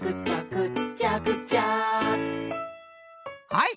はい！